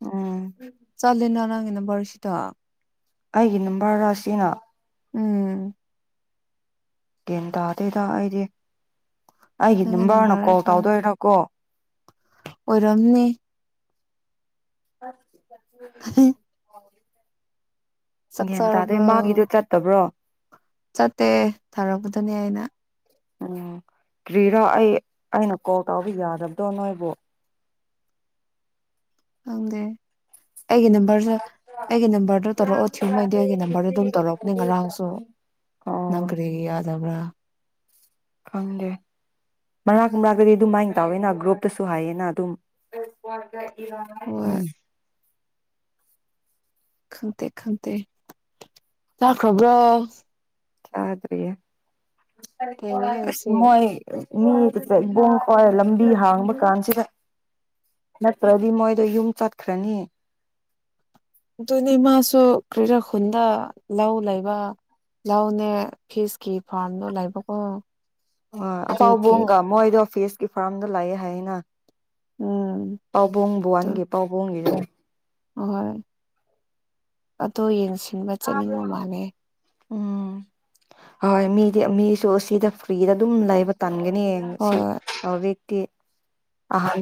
ꯎꯝ ꯆꯠꯂꯦꯅ ꯅꯪꯒꯤ ꯅꯨꯝꯕꯔ ꯁꯤꯗ ꯑꯩꯒꯤ ꯅꯝꯕꯔ ꯔꯥꯁꯤꯅꯥ ꯎꯝ ꯀꯦꯟ ꯇꯥꯗꯦ ꯇ ꯑꯩꯗꯤ ꯑꯩꯒꯤ ꯅꯪꯒꯤ ꯅꯝꯕꯔꯅ ꯅꯝꯕꯔ ꯀꯣꯜ ꯇꯧꯗꯣꯏꯔꯣꯀꯣ ꯑꯣꯏꯔꯝꯅꯤ ꯑ ꯍꯥꯏ ꯒ꯭ꯌꯥꯟ ꯇꯥꯗꯣꯏ ꯆꯥꯔꯕ꯭ꯔꯣ ꯃꯥꯒꯤꯗꯣ ꯆꯠꯇꯕ꯭ꯔꯣ ꯆꯠꯇꯦ ꯊꯥꯔꯛꯄꯗꯨꯅꯦ ꯑꯩꯅ ꯎ ꯀꯔꯤꯔꯣ ꯑꯩ ꯑꯩꯅ ꯀꯣꯜ ꯇꯥꯎꯕ ꯌꯥꯗꯕꯗꯣ ꯅꯣꯏꯕꯨ ꯐꯪꯗ ꯑꯩꯒꯤ ꯅꯝꯕꯔꯁꯤ ꯑꯩꯒꯤ ꯅꯝꯕꯔꯗ ꯇꯧꯔꯛꯑꯣ ꯊꯤꯌꯨꯉꯩꯗꯤ ꯑꯩꯒꯤ ꯅꯝꯕꯔꯗ ꯑꯗꯨꯝ ꯇꯧꯔꯛꯄꯅꯦ ꯉꯔꯥꯡꯁꯨ ꯅꯪ ꯑꯣ ꯀꯔꯤ ꯌꯥꯗꯕ꯭ꯔꯥ ꯈꯪꯗꯦ ꯃꯔꯅꯥꯛ ꯀꯨꯝꯅꯥꯛꯇꯗꯤ ꯑꯗꯨꯝ ꯃꯥꯏꯅ ꯇꯧꯋꯦꯅ ꯒ꯭ꯔꯨꯞꯇꯁꯨ ꯍꯥꯏꯌꯦꯅ ꯑꯗꯨꯝ ꯍꯣꯏ ꯎꯝ ꯈꯟꯇꯦ ꯈꯟꯇꯦ ꯆꯈ꯭ꯔꯕ꯭ꯔꯣ ꯌꯥ꯭ꯔꯌꯦ ꯊꯦꯡꯉꯦ ꯍꯪꯁꯤ ꯃꯣꯏ ꯃꯤ ꯆ ꯏꯕꯣꯡ ꯐꯥꯎꯔꯦ ꯂꯝꯕꯤ ꯍꯥꯡꯕ ꯀꯥꯟꯁꯤꯗ ꯅꯠꯇ꯭ꯔꯗꯤ ꯃꯣꯏꯗ ꯌꯨꯝ ꯆꯠꯈ꯭ꯔꯅꯤ ꯑꯗꯨꯅꯦ ꯏꯃꯥꯁꯨ ꯀꯔꯤꯔ ꯈꯨꯟꯗ ꯂꯧ ꯂꯩꯕ ꯂꯧꯅꯦ ꯐꯤꯁꯀꯤ ꯐꯥꯔꯝꯗꯣ ꯂꯩꯕꯀꯣ ꯑꯗꯨꯒꯤ ꯄꯥꯎꯕꯣꯡꯒ ꯃꯣꯗꯣ ꯐꯦꯁꯀꯤ ꯐꯥꯔꯝꯗ ꯂꯥꯏꯑ ꯍꯥꯏꯅ ꯎꯝ ꯄꯥꯎꯕꯣꯡꯕꯨ ꯋꯥꯟꯒꯦ ꯄꯥꯎꯕꯣꯡꯒꯤꯔ ꯍꯣꯏ ꯑꯗꯨ ꯌꯦꯡꯁꯤ ꯕ ꯆꯅꯤꯡꯉ ꯃꯥꯅꯦꯦ ꯎꯝ ꯍꯣꯏ ꯃꯤꯗꯤ ꯃꯤꯁꯨ ꯁꯤꯗ ꯐ꯭ꯔꯤꯗ ꯑꯗꯨꯝ ꯂꯩꯕ ꯇꯥ ꯍꯟꯒꯅꯤ ꯌꯦꯡ ꯍꯣꯏ ꯁꯤ ꯍꯣꯏ ꯍꯧꯖꯤꯛ ꯇꯦꯛ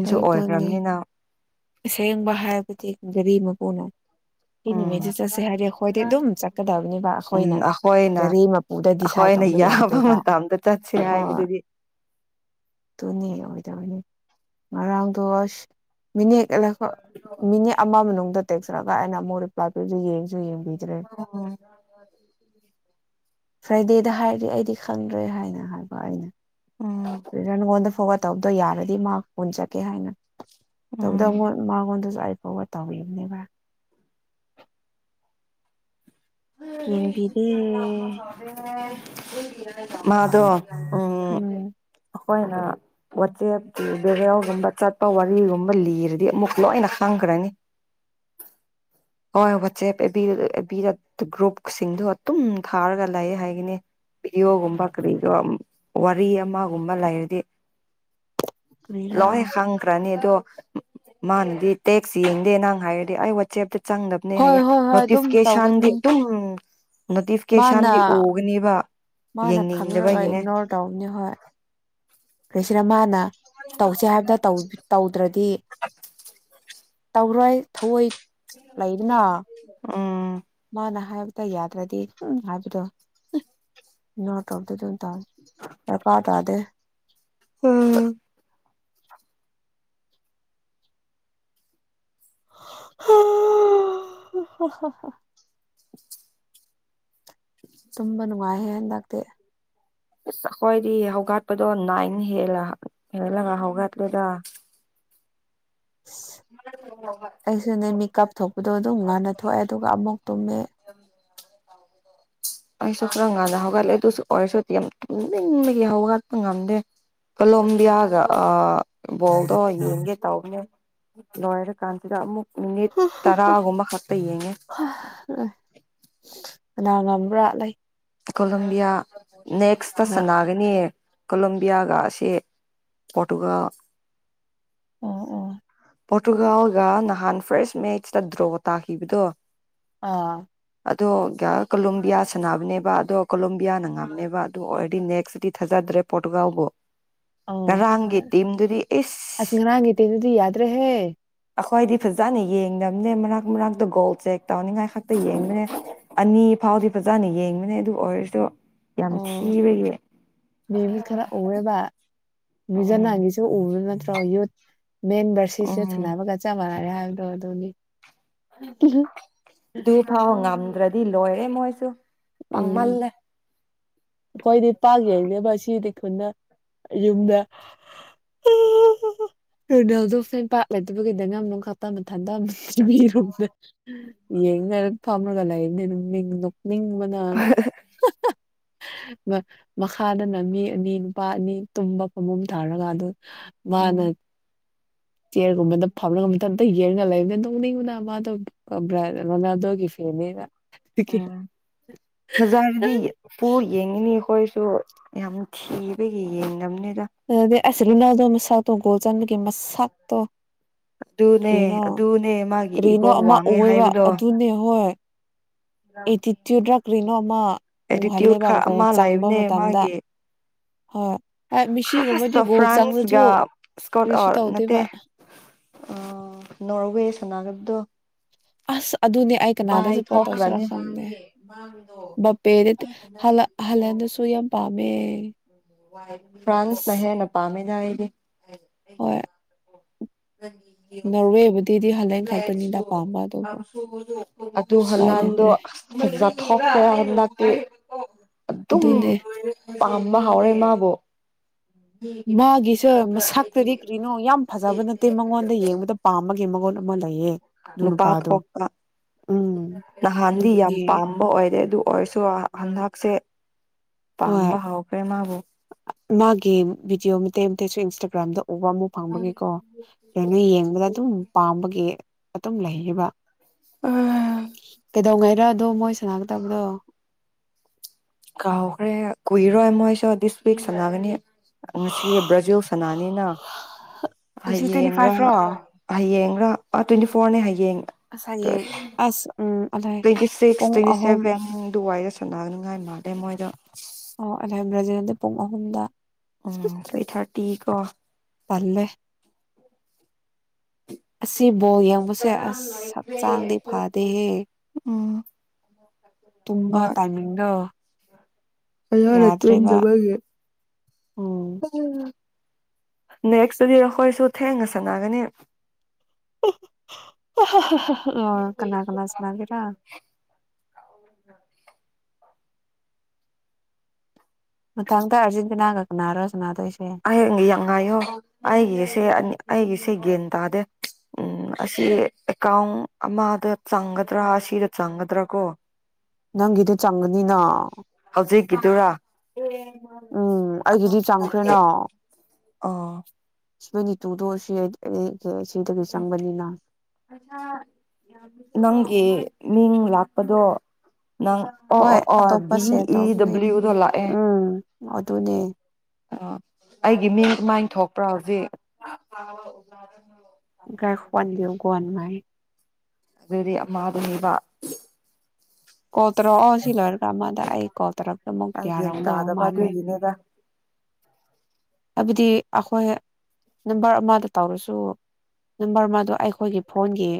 ꯑꯗꯨꯅꯦ ꯑꯁꯦꯡꯕ ꯍꯥꯏꯕꯗꯤ ꯒꯥꯔꯤꯃꯛ ꯄꯅꯣ ꯁꯤ ꯎꯝ ꯅꯨꯃꯤꯩꯗ ꯆꯠꯁꯦ ꯍꯥꯏꯗꯤ ꯑꯩꯈꯣꯏꯗꯤ ꯑꯗꯨꯝ ꯆꯠꯀꯗꯕꯅꯤꯕ ꯎꯝ ꯑꯩꯈꯣꯏꯅ ꯑꯩꯈꯣꯏꯅ ꯒꯥꯔꯤ ꯃꯄꯨꯗ ꯗꯤꯁꯥꯏꯠ ꯑꯩꯈꯣꯏꯅ ꯇꯧꯕ ꯌꯥꯕ ꯌꯥꯗꯦꯕ ꯃꯇꯝꯗ ꯆꯠꯁꯦ ꯍꯣ ꯍꯥꯏꯕꯗꯨꯗꯤ ꯑꯗꯨꯅꯦ ꯑꯣꯏꯗꯣꯏꯅꯦ ꯃꯔꯥꯡꯗꯣꯁ ꯃꯤꯅꯤ ꯃꯤꯅꯤꯠ ꯑꯃ ꯃꯅꯨꯡꯗ ꯑꯗꯨ ꯇꯦꯛꯁꯔꯛꯒ ꯑꯩꯅ ꯑꯃꯨꯛꯔꯤ꯭ꯂꯥꯏ ꯄꯤꯔ ꯌꯦꯡꯁꯨ ꯌꯦꯡꯉꯨ ꯑꯣ ꯐ꯭ꯔꯥꯏꯗꯦꯗ ꯍꯥꯏꯔꯤ ꯑꯩꯗꯤ ꯈꯪꯗ꯭ꯔꯦ ꯍꯥꯏꯅ ꯍꯥꯏꯕ ꯎꯝ ꯑꯩꯅ [unintelligible] ꯇꯧꯗꯣ ꯌꯥꯔꯗꯤ ꯃꯍꯥꯛ ꯄꯨꯟ ꯆꯀꯦ ꯍꯥꯏꯅ ꯎꯝ ꯇꯧꯕꯗꯣꯟ ꯃꯥꯒꯣꯟꯗꯁꯨ ꯐꯥꯎꯕ ꯇꯧꯕꯤꯕꯅꯦꯕ ꯎ ꯌꯦꯡꯕꯤꯗꯦ ꯆ ꯀ ꯃꯥꯗꯣ ꯎꯝ ꯑꯩꯈꯣꯏꯅ ꯋꯥꯆꯦꯞꯀꯤ ꯚꯦꯔꯤꯑꯣꯒꯨꯝꯕ ꯆꯠꯄ ꯋꯥꯔꯤꯒꯨꯝꯕ ꯂꯤꯔꯗꯤ ꯑꯃꯨꯛ ꯂꯣꯏꯅ ꯈꯪꯈ꯭ꯔꯅꯤ ꯍꯣꯏ ꯋꯥꯆꯦꯞ ꯒ꯭ꯔꯨꯞꯁꯤꯡꯗꯣ ꯑꯗꯨꯝ ꯊꯥꯔꯒ ꯂꯩ ꯍꯥꯏꯒꯅꯤ ꯚꯤꯗꯤꯑꯣꯒꯨꯝꯕ ꯀꯔꯤꯒꯨꯝ ꯋꯥꯔꯤ ꯑꯃꯒꯨꯝꯕ ꯂꯩꯔꯗꯤ ꯀꯔꯤꯔꯥ ꯂꯣꯍꯦ ꯈꯪꯈꯔꯥꯅꯤ ꯃꯥꯅꯗꯤ ꯇꯦꯛꯁ ꯌꯦꯡꯗꯦ ꯅꯪ ꯍꯥꯏꯔꯗꯤ ꯑꯩ ꯋꯥꯆꯦꯞꯇ ꯆꯪꯗꯕꯅꯦ ꯍꯣꯏ ꯍꯥꯏꯌꯦ ꯍꯣꯏ ꯍꯣꯏ ꯑꯗꯨꯝ ꯅꯣꯇꯤꯐꯤꯀꯦꯁꯟꯗꯤ ꯇꯧꯒꯅꯤ ꯎꯝ ꯃꯥꯅ ꯅꯣꯇꯤꯐꯤꯀꯦꯁꯟꯗꯤ ꯎꯒꯅꯦꯕ ꯃꯥꯅ ꯈꯪꯔꯒ ꯌꯦꯡꯅꯤꯡꯗꯕꯒꯤꯅꯦ ꯏꯒꯅꯣꯔ ꯔꯃꯅ ꯇꯧꯁꯦ ꯍꯥꯏꯕꯗ ꯇꯧꯗ꯭ꯔꯗꯤ ꯇꯧꯔꯣꯏ ꯊꯑꯣꯏ ꯂꯩꯗꯅ [unintelligible] ꯎꯝ ꯃꯥꯅ ꯍꯥꯏꯕꯗ ꯌꯥꯗ꯭ꯔꯗꯤ ꯎ ꯍꯥꯏꯕꯗꯣ ꯅꯣꯠꯇꯣꯗꯣ ꯑꯗꯨꯝ ꯇꯧꯅꯤ ꯀꯄꯥꯥ ꯇꯥꯗꯦ [unintelligible] [unintelligible] ꯇꯨꯝꯕ ꯅꯨꯡꯉꯥꯏꯍꯦ ꯍꯟꯗꯛꯇꯤ ꯑꯁ ꯑꯩꯈꯣꯏꯗꯤ ꯍꯧꯒꯠꯄꯗꯣ ꯅꯥꯏꯟ ꯍꯦꯜꯂ ꯍꯦꯜꯂꯒ ꯍꯧꯒꯠꯂꯦꯗ ꯑꯁ ꯑꯩꯁꯨꯅꯦ ꯃꯤꯀꯞ ꯊꯣꯛꯄꯗꯣ ꯑꯗꯨꯝ ꯉꯥꯟꯟꯅ ꯊꯣꯛꯑꯦ ꯑꯗꯨꯒ ꯑꯃꯨꯛ ꯇꯨꯝꯃꯦ ꯑꯩꯁꯨ ꯈꯔ ꯀꯥꯟꯗ ꯍꯧꯒꯠꯂꯦ ꯑꯗꯨꯁꯨ ꯑꯣꯏꯔꯁꯨꯗꯤ ꯌꯥꯝꯅꯤꯡꯅꯤꯡꯕꯒꯤ ꯍꯧꯒꯠꯄ ꯉꯝꯗꯦ ꯀꯂꯣꯝꯕꯤꯌꯥꯒ ꯕꯣꯗꯣ ꯌꯦꯡꯒꯦ ꯇꯧꯅꯦ ꯂꯣꯏꯔ ꯀꯥꯟꯁꯤꯗ ꯑꯃꯨꯛ ꯃꯤꯅꯤꯠ [unintelligible] ꯇꯔꯥꯒꯨꯝꯕ ꯈꯛꯇ ꯌꯦꯡꯉꯦ ꯀꯅꯥ ꯉꯝꯕ꯭ꯔꯥ ꯂꯩ ꯀꯣꯂꯣꯕꯤꯌꯥ ꯅꯦꯛꯁ ꯇ ꯀꯅꯥ ꯁꯅꯥꯒꯅꯤ ꯀꯣꯂꯝꯣꯕꯤꯌꯥꯒꯁꯦ ꯄꯣꯔꯇꯨꯒꯜ ꯑꯣ ꯑꯣ ꯄꯣꯔꯇꯨꯒꯥꯜꯒ ꯅꯍꯥꯟ ꯐꯥꯔꯁ ꯃꯦꯠꯆꯇ ꯗ꯭ꯔꯣ ꯇꯥꯈꯤꯕꯗꯣ ꯑꯥ ꯑꯗꯣ ꯀꯣꯂꯣꯝꯕꯤꯌꯥ ꯁꯥꯟꯅꯕꯅꯦꯕ ꯑꯗꯣ ꯀꯣꯂꯣꯝꯌꯥꯅ ꯉꯝꯅꯦꯕ ꯑꯗꯨ ꯑꯣꯜꯔꯦꯗꯤ ꯅꯦꯛꯁꯇꯗꯤ ꯊꯥꯖꯗ꯭ꯔꯦ ꯄꯣꯔꯇꯨꯒꯥꯎꯕꯨ ꯑ ꯍꯣꯏ ꯏꯁ ꯑꯁ ꯉꯔꯥꯡꯒꯤꯇ ꯑꯗꯨꯗꯤ ꯌꯥꯗ ꯗꯔ꯭ꯦꯍꯦ ꯑꯩꯈꯣꯏꯗꯤ ꯐꯖꯅ ꯌꯦꯡꯗꯕꯅꯦ ꯃꯔꯛ - ꯃꯔꯛꯇ ꯒꯣꯜ ꯆꯦꯛ ꯇꯧꯅꯤꯡꯉꯥꯏ ꯈꯛꯇ ꯌꯦꯡꯕꯅꯦ ꯑꯅꯤ ꯐꯥꯎꯗꯤ ꯐꯖꯅ ꯌꯦꯡꯕꯅꯦ ꯑꯗꯨ ꯑꯣꯏꯔꯁꯨ ꯌꯥꯝ ꯑꯣ ꯊꯤꯕꯒꯤ ꯅꯤꯎ ꯎꯝ ꯖꯂꯦꯟ ꯍꯤꯁꯨ ꯎꯕꯥ ꯅꯠꯇꯔꯣ ꯌꯨꯠ ꯃꯦꯟ ꯕꯔꯁꯤꯁꯨ ꯎꯝ ꯁꯥꯟꯅꯕꯒ ꯆꯞꯃꯥꯅꯔꯦ ꯍꯥꯏ꯫ ꯗꯣ ꯑꯗꯨꯅꯤ ꯑꯗꯨ ꯐꯥꯎ ꯉꯝ ꯭ꯔꯗꯤ ꯂꯣꯏ ꯔꯦ ꯃꯣꯏꯁꯨ꯫ ꯎꯝ ꯄꯪꯃꯜꯂꯦ꯫ ꯑꯩꯈꯣꯏꯗꯤ ꯄꯥꯛ ꯌꯦꯡꯗꯦꯕ ꯁꯤꯗꯤ ꯫ ꯊꯨꯅ ꯌꯨꯝꯗ ꯔꯣꯅꯦꯜꯗꯣ ꯐꯦꯟ ꯄꯥꯛ ꯂꯩꯇꯕꯒꯤ [unintelligible] ꯃꯤꯔꯣꯝꯗ ꯌꯦꯡꯅꯔ ꯐꯝꯃꯒ ꯂꯩꯕꯥꯅꯦ ꯅꯣꯛꯅꯤꯡ ꯕ ꯑ ꯃꯈꯥꯗꯅ ꯃꯤ ꯑꯅꯤ ꯅꯨꯄꯥ ꯑꯅꯤ ꯇꯨꯝꯕ ꯐꯃꯨꯡ ꯊꯥꯔꯒ ꯑꯗꯨ ꯎꯝ ꯃꯥꯅ ꯆꯤꯌꯦꯔꯒꯨꯝꯕꯗ ꯐꯝꯔꯒ ꯃꯊꯟꯇꯥ ꯌꯦꯡꯔꯒ ꯂꯩꯕ ꯅꯣꯛꯅꯤꯡꯕꯅꯥ ꯃꯥꯗꯣ ꯔꯣꯅꯥꯜꯗꯣ ꯒꯤ ꯐꯦꯟ ꯅꯤꯅ꯫ [unintelligible] ꯐꯖꯔꯗꯤ ꯐꯨꯜ ꯌꯦꯡꯒꯥꯅꯤ꯫ ꯑꯩꯈꯣꯏꯁꯨ ꯌꯥꯝ ꯊꯤꯕꯒꯤ ꯌꯦꯡꯗꯝꯅꯦ꯫ [unintelligible] ꯑꯁ ꯔꯣꯅꯥꯜꯗꯣ ꯃꯁꯛꯇꯣ ꯒꯣꯜ ꯆꯟꯕꯒꯤ ꯃꯁꯛꯇꯣ ꯑꯗꯨꯅꯦ ꯀꯔꯤꯅꯣ ꯑꯗꯨꯅꯦ ꯃꯥꯒꯤ ꯀꯔꯤꯅꯣ ꯏꯒꯣ ꯑꯃ ꯋꯥꯡꯉꯦ ꯎꯋꯦꯕ ꯍꯥꯏꯕꯗꯣ ꯑꯗꯨꯅꯦ ꯍꯣꯏ ꯑꯦꯇꯤꯇ꯭ꯌꯨꯠꯔꯥ ꯀꯔꯤꯅꯣ ꯑꯃ ꯑꯦꯇꯤꯇ꯭ꯌꯨꯠ ꯎꯍꯜꯂꯦꯕ ꯈꯔ ꯒꯣꯜ ꯑꯃ ꯆꯪꯕ ꯂꯩꯕꯅꯦ ꯃꯇꯝꯗ꯫ ꯍꯣꯏ ꯫ ꯑꯁꯁ [unintelligible] ꯐ꯭ꯔꯥꯟꯁꯒ ꯁꯀꯣꯠ ꯀꯔꯤꯁꯨ ꯑꯥ ꯅꯠꯇꯦ ꯇꯧꯗꯦꯕ ꯑ ꯅꯣꯔꯋꯦ ꯁꯅꯒꯣꯗꯣ ꯑꯁ! ꯑꯗꯨꯅꯦ ꯑꯩ ꯀꯅꯥꯗꯁꯨ ꯁꯄꯣꯔꯠ꯭ ꯇꯧꯁꯤꯔꯥ ꯊꯣꯛꯈ꯭ꯔꯅꯤ ꯈꯪꯗꯦ ꯕꯄꯦꯗꯗꯤ ꯍꯜꯂꯦꯟꯗꯁꯨ ꯌꯥꯝ ꯄꯥꯝꯃꯦ꯫ ꯐ꯭ꯔꯥꯟꯁꯅ ꯑꯁ ꯍꯦꯟꯅ ꯄꯥ ꯃꯦꯗꯥ ꯑꯩꯗꯤ ꯍꯣꯏ꯫ ꯅꯣꯔꯋꯦꯕꯨꯗꯤꯗꯤ ꯍꯜꯂꯦꯟ ꯈꯛꯇꯅꯤꯗ ꯄꯥꯝꯕ ꯑꯗꯨꯕꯨ [unintelligible] ꯑꯗꯨ ꯎꯄꯥꯏ ꯍꯂꯟꯗꯣ ꯂꯩꯇ꯭ꯔꯦ ꯐꯖꯥꯊꯣꯈꯔꯦ ꯍꯟꯗꯛꯇꯤ ꯑꯗꯨꯝ ꯑꯗꯨꯅꯦ ꯄꯥꯝꯕ ꯍꯥꯎꯔꯦ ꯃꯥꯕꯨ꯫ ꯃꯥꯒꯤꯁ ꯃꯁꯛꯇꯗꯤ ꯀꯔꯤꯅꯣ ꯌꯥꯝ ꯐꯖꯕ ꯅꯠꯇꯦ ꯃꯉꯣꯟꯗ ꯌꯦꯡꯕꯗ ꯄꯥꯝꯃꯒꯦ ꯃꯉꯣꯟꯗ ꯑꯃ ꯂꯩꯌꯦ ꯑꯗꯨ ꯅꯨꯄꯥ ꯅꯨꯄꯥꯗꯣ ꯊꯣꯛꯄ ꯎꯝ ꯅꯍꯥꯟꯗꯤ ꯌꯥꯝ ꯑꯗꯨꯒꯤꯅꯦ ꯄꯥꯝꯕ ꯑꯣꯏꯔꯦ ꯑꯗꯨ ꯑꯣꯏꯔꯁꯨ ꯍꯟꯗꯛꯁꯦ ꯍꯣꯏ ꯄꯥꯝꯕ ꯍꯧꯈ꯭ꯔꯦ ꯃꯥꯕꯨ ꯃꯥꯒꯤ ꯚꯤꯗꯤꯑꯣ ꯃꯇꯦꯛ ꯃꯇꯦꯛꯁꯨ ꯏꯟꯁꯇꯥꯒ꯭ꯔꯝꯗ ꯎꯕ ꯑꯃꯨꯛ ꯐꯪꯕꯒꯤꯀꯣ ꯑꯗꯨꯩꯅ ꯌꯦꯡꯕꯗ ꯑꯗꯨꯝ ꯄꯥꯝꯕꯒꯤ ꯃꯇꯨꯡ ꯂꯩꯔꯤꯕ ꯀꯩꯗꯧꯉꯩ ꯑꯗꯨꯣ ꯃꯣꯏ ꯁꯅꯥꯒ ꯇꯕꯗꯣ ꯀꯥꯎꯈ꯭ꯔꯦ ꯀꯨꯏꯔꯣꯏ ꯃꯣꯏꯁꯨ ꯗꯤꯁ ꯋꯤꯛ ꯁꯥꯟꯅꯒꯅꯤ ꯉꯁꯤ ꯕ꯭ꯔꯥꯖꯤꯜ ꯁꯅꯥꯅꯤꯅ ꯉꯁꯤ ꯇ꯭ꯋꯦꯟꯇꯤ ꯍꯌꯦꯡꯔꯥ ꯐꯥꯏꯚ ꯔꯣ ꯍꯌꯦꯡꯔꯥ ꯇ꯭ꯋꯦꯟꯇꯤ ꯐꯣꯔꯅꯦ ꯍꯌꯦꯡ ꯑꯁ ꯍꯌꯦꯡ ꯑꯁ ꯎꯝ ꯑꯂꯥꯏ ꯇ꯭ꯋꯦꯟꯇꯤ ꯁꯤꯛꯁ ꯄꯨꯡ ꯇ꯭ꯋꯦꯟꯇꯤ ꯑꯍꯨꯝ ꯁꯦꯚꯦꯟ ꯗꯨꯋꯥꯏꯗ ꯁꯅꯥꯅꯉꯥꯏ ꯃꯥꯥꯟꯗꯩ ꯃꯣꯏꯗ ꯑꯣ ꯑꯗꯥꯏ ꯭ꯔꯖꯗ ꯄꯨꯡ ꯑꯍꯨꯝꯗ ꯎꯝ ꯊ꯭ꯔꯤ ꯊꯥꯔꯇꯤ ꯀꯣ ꯄꯜꯂꯦ ꯑꯁꯤ ꯑꯁꯤ ꯃꯣꯜ ꯌꯦꯡꯕꯁꯦ ꯑꯁ ꯍꯛꯆꯥꯡꯗꯤ ꯐꯗꯦꯍꯦ [inaudible] ꯇꯨꯝꯕ ꯍꯣꯏ ꯇꯥꯏꯃꯤꯡꯗꯣ [unintelligible] ꯌꯥꯗ꯭ꯔꯦꯕ ꯇꯨꯝꯗꯕꯒꯤ ꯎꯝ ꯅꯦꯛꯁꯇꯨꯗꯤ ꯑꯩꯈꯣꯏꯁꯨ ꯊꯦꯡꯅ ꯁꯥꯟꯅꯒꯅꯤ ꯑ ꯑꯣ ꯀꯅꯥ ꯀꯅꯥ ꯁꯅꯥꯒꯦꯔꯥ ꯃꯇꯥꯡꯗ ꯑꯥꯔꯖꯦꯟꯇꯤꯅꯥꯒ ꯁꯅꯔꯣ ꯁꯅꯗ ꯍꯌꯦꯡ ꯌꯥꯝ ꯉꯥꯏꯌꯣ ꯑꯩꯒꯤꯁ ꯁꯦ ꯑꯩꯒꯤꯁꯦ ꯒ꯭ꯌꯥꯟ ꯇꯥꯗꯦ ꯎꯝ ꯑꯁꯤ ꯑꯦꯀꯥꯎꯟ ꯑꯃꯗ ꯆꯪꯒꯗ꯭ꯔꯥ ꯑꯁꯤꯗ ꯆꯪꯒꯗ꯭ꯔꯥ ꯀꯣ ꯅꯪꯒꯤꯗꯤ ꯆꯪꯒꯅꯤꯅ ꯀꯤꯇꯨꯔꯥ ꯎꯝ ꯑꯩꯒꯤꯗꯤ ꯆꯪꯈ꯭ꯔꯦꯅꯣ ꯑꯣ ꯁꯤꯃꯅꯤ ꯇꯨꯗꯣ ꯁꯤ [unintelligible] ꯆꯪꯕꯅꯤꯅ ꯅꯪ ꯒꯤ ꯃꯤꯡ ꯂꯥꯛꯄꯗꯣ ꯅꯪ ꯑꯣ ꯍꯣꯏ ꯑꯣ ꯑꯣ ꯑꯇꯣꯞꯄ ꯗꯤ ꯁꯦꯞ ꯏ ꯇꯧꯕꯅꯦ ꯗꯕ꯭ꯂꯤꯎꯗꯣ ꯂꯥꯛꯑꯦ ꯎꯝ ꯑꯗꯨꯅꯦ ꯑꯣ ꯑꯩꯒꯤ ꯃꯤꯡ ꯃꯥꯏ ꯊꯣꯛꯄ꯭ꯔꯥ ꯍꯧꯖꯤꯛ [unintelligible] ꯑꯗꯨꯗꯤ ꯑꯃ ꯑꯗꯨꯕ ꯀꯣ ꯇꯔꯛꯑꯣ ꯁꯤꯜꯂꯣꯏꯔꯒ ꯑꯃꯗ ꯑꯩ ꯀꯣ ꯇꯔ ꯑꯃꯨꯛ ꯑꯩ ꯒ꯭ꯌꯥꯟ ꯌꯥꯔꯝꯗꯕ ꯇꯥꯗꯕ ꯃꯥꯜꯂꯦ ꯑꯗꯨꯒꯤꯅꯦꯗ ꯍꯥꯏꯕꯗꯤ ꯑꯩꯈꯣꯏ ꯅꯝꯕꯔ ꯑꯃꯗꯣ ꯇꯧꯔꯁꯨ ꯅꯝꯕꯔ ꯑꯃꯗꯣ ꯑꯩꯈꯣꯏꯒꯤ ꯐꯣꯟꯒꯤ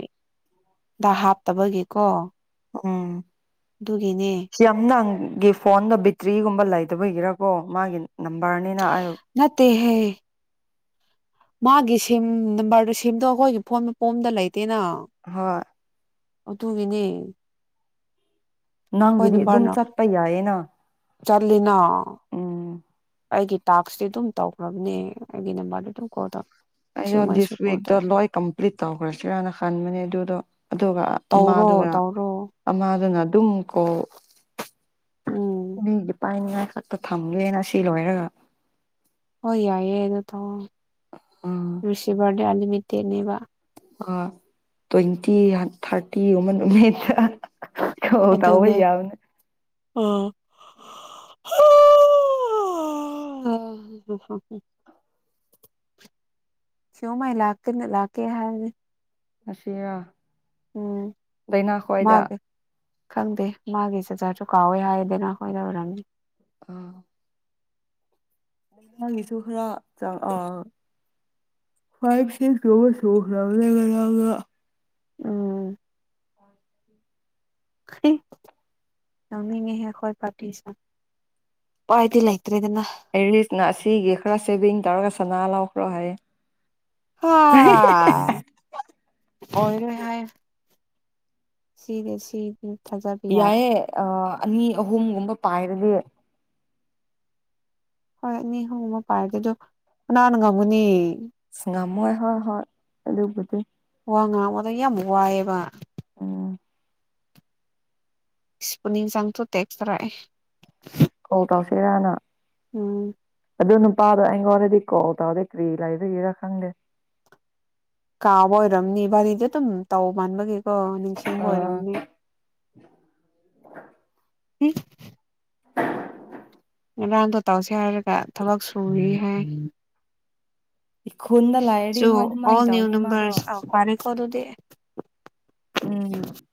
ꯗ ꯍꯥꯞꯇꯕꯒꯤꯀꯣ ꯎꯝ ꯑꯗꯨꯒꯤꯅꯦ ꯁꯝ ꯅ ꯒꯤ ꯐꯣꯟꯗ ꯕꯦꯇ꯭ꯔꯤꯒꯨꯝꯕ ꯂꯩꯇꯕꯒꯤꯔꯀꯣ ꯃꯥꯒꯤ ꯅꯝꯕꯔꯅꯤꯅ ꯑꯩ ꯍꯦ ꯃꯥꯒꯤ ꯁꯦꯝ ꯅꯝꯕꯔꯗꯨꯣ ꯁꯦꯝꯗꯣ ꯑꯩꯈꯣꯏꯒꯤ ꯐꯣꯟ ꯃꯄꯣꯝꯗ ꯂꯩꯇꯦꯅ ꯍꯣꯏ ꯑꯣ ꯇꯨꯒꯤꯅꯦ ꯅꯪꯒꯤꯗꯤ ꯑꯗꯨꯝ ꯆꯠꯄ ꯌꯥꯌꯦꯅ ꯆꯠꯂꯤꯅ ꯎꯝ ꯑꯩꯒꯤ ꯇꯥꯛꯁꯇꯤ ꯑꯗꯨꯝ ꯇꯧꯈ꯭ꯔꯕꯅꯦ ꯑꯩꯒꯤ ꯅꯝꯕꯔꯗ ꯑꯗꯨꯝ ꯀꯣꯜ ꯇꯧ ꯑꯩꯗꯣ ꯁꯤꯒꯨꯝꯕꯩꯁꯨ ꯗꯤꯁ ꯀꯣꯜ ꯋꯤꯛꯇꯣ ꯇꯧꯔꯦ ꯂꯣꯏ ꯀꯝꯄ꯭ꯂꯤꯠ ꯇꯧꯈ꯭ꯔꯁꯤꯔꯅ ꯈꯟꯕꯅꯦ ꯑꯗꯨꯗꯣ ꯑꯗꯨꯒ ꯇꯧꯔꯣ ꯑꯃꯥꯗꯨꯒ ꯇꯧꯔꯣ ꯑꯃꯥꯗꯨꯅ ꯇꯨꯝꯀꯣ ꯎꯝ ꯂꯤꯗꯤ ꯄꯥꯏꯅꯤꯡ ꯉꯥꯏ ꯉꯥꯛꯇ ꯊꯝꯒꯦꯅ ꯁꯤ ꯂꯣꯏꯔꯒ ꯍꯣꯏ ꯌꯥꯏꯌꯦꯗꯨ ꯇꯧ ꯑꯣ ꯎꯝ ꯔꯤꯁꯤꯕꯔ [inaudible] ꯂꯤꯃꯤꯠꯇꯦꯅꯦꯕ ꯑ ꯇ꯭ꯋꯦꯟꯇꯤ ꯊꯥꯔꯇꯤꯒꯨꯝꯕ ꯅꯨꯃꯤꯠꯇ ꯇꯧꯕ ꯌꯥꯕꯅꯦ ꯑ ꯀꯣ ꯃꯥ ꯏꯂꯀꯅ ꯏꯥꯀꯦ ꯍꯥꯏ ꯑꯁꯤꯔ ꯂꯥꯏꯅꯥ ꯈ꯭ꯋꯥꯏꯗ ꯃꯥꯒꯤ ꯈꯪꯗꯦ ꯃꯥꯒꯤ [unintelligible] ꯁꯨ ꯀꯥꯎꯋꯦ ꯍꯥꯏꯗꯅ ꯑꯩꯈꯣꯏ ꯑꯣꯢꯔꯝꯅꯤ ꯑꯥ ꯅꯪꯒꯤꯁꯨ ꯈꯔ ꯆꯪ ꯑꯥ [unintelligible] ꯎꯝ ꯌꯥꯎꯅꯤꯡꯉꯤꯍꯦ ꯑꯩ ꯍꯈꯣꯏ ꯄꯥꯔꯇꯁ ꯄꯥꯏꯗꯤ ꯂꯩꯇ꯭ꯔꯦꯗꯅ ꯑꯦꯔꯤꯁꯅ ꯑꯁꯤꯒꯤ ꯈꯔ ꯁꯦꯚꯤꯡ ꯇꯧꯔꯒ ꯁꯅꯥ ꯂꯧꯈ꯭ꯔꯣ ꯍꯥꯏ ꯍ ꯑꯣꯏꯔ ꯍꯥꯏ ꯁꯤꯗꯦ ꯁꯤꯗꯦ ꯌꯥꯑꯦ ꯑ ꯑꯅꯤ ꯑꯍꯨꯝꯒꯨꯝꯕ ꯄꯥꯏꯔꯗꯤ ꯍꯣ ꯏꯅꯤ ꯍꯣꯡꯕ ꯄꯥꯏꯔꯒꯦ ꯑꯗꯣ ꯅꯅꯥꯍꯅ ꯉꯝꯒꯅꯤ ꯁꯉꯝ ꯃꯣꯏ ꯍꯣꯏ ꯍ ꯑꯗꯨꯒꯗꯤ ꯋꯥ ꯉꯥꯡꯕꯗ ꯌꯥꯝ ꯋꯥꯏꯑꯦꯕ ꯎꯝ ꯁꯤꯄꯨꯅꯤꯖꯥꯡꯊꯣ ꯇꯦꯛꯆ꯭ꯔꯥꯏ ꯀꯣꯜ ꯇꯧꯁꯤꯔꯥꯅ ꯎꯝ ꯑꯗꯨꯗꯅ ꯄꯥꯗ ꯑꯒꯣ ꯑꯣꯔꯦꯗꯤ ꯀꯣ ꯇ ꯑꯣꯗ ꯀꯔꯤ ꯂꯥꯏꯕꯌꯦ ꯔ ꯈꯥꯡꯒ ꯀꯥꯕ ꯑꯣꯏꯔꯝꯅꯤ ꯔꯤꯗꯤ ꯑꯗꯨꯝ ꯇꯧ ꯃꯥꯟꯕꯒꯤꯀꯣ ꯅꯤꯡꯁꯤꯡꯕ ꯑꯥ ꯑꯣꯏꯔꯝꯅꯦ ꯎ ꯉꯔꯥꯡꯗꯣ ꯇꯧꯁꯦ ꯍꯥꯏꯔꯒ ꯊꯕꯛ ꯁꯨꯔꯤ ꯍꯥꯏ ꯏꯈꯨꯟꯗ ꯂꯥꯏꯔꯗꯤ ꯍꯣꯏ ꯑꯗꯨꯃꯥꯏꯅ ꯇꯧꯅꯤ ꯃꯥꯗꯣ ꯀꯗꯦ ꯎꯝ